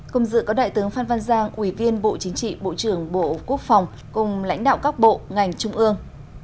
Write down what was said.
công dự có đại tướng phan văn giang ủy viên bộ chính trị bộ trưởng bộ quốc phòng cùng lãnh đạo các bộ ngành trung ương